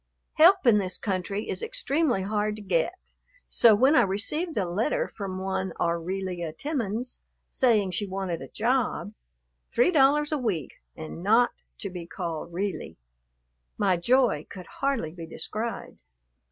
Help in this country is extremely hard to get; so when I received a letter from one Aurelia Timmons, saying she wanted a job, three dollars a week and not to be called "Relie," my joy could hardly be described.